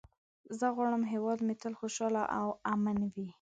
زه غواړم هېواد مې تل خوشحال او امن وي.